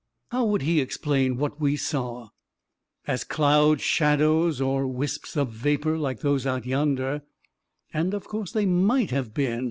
11 How would he explain what — we saw ?"" As cloud shadows — or wisps of vapor like those out yonder. And of course they might have been.